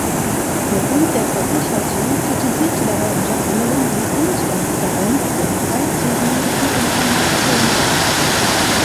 Der Bund der Versicherten kritisierte dabei unter anderem die Intransparenz der frei zugänglichen Informationen.